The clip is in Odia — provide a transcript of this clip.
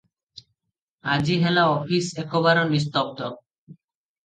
ଆଜି ହେଲା ଅଫିସ ଏକବାର ନିସ୍ତବ୍ଧ ।